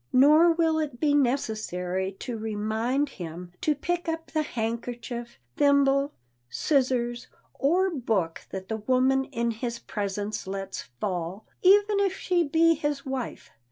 Nor will it be necessary to remind him to pick up the handkerchief, thimble, scissors or book that the woman in his presence lets fall,—even if she be his wife.